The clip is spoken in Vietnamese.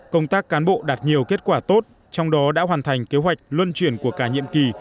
công tác cán bộ đạt nhiều kết quả tốt trong đó đã hoàn thành kế hoạch luân chuyển của cả nhiệm kỳ